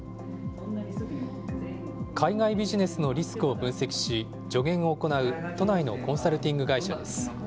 海外ビジネスのリスクを分析し助言を行う都内のコンサルティング会社です。